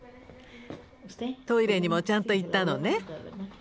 トイレにもちゃんと行ったのね？